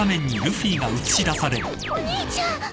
お兄ちゃん！